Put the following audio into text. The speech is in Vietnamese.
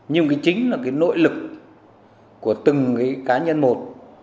nhưng chính là nội lực của từng cá nhân một